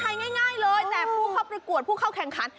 ง่ายเลยแต่ผู้เข้าประกวดผู้เข้าแข่งขัน